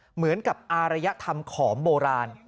เหมือนกับอารยธรรมขอมโบราณ